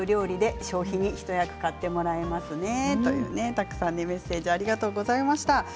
たくさんメッセージありがとうございました。